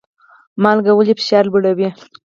مالګه ولې فشار لوړوي؟